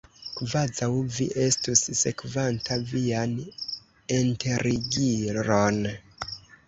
Kvazaŭ vi estus sekvanta vian enterigiron!